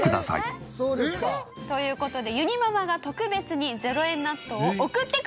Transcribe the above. という事でゆにママが特別に０円納豆を送ってくれました！